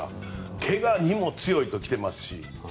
けがにも強いときてますし。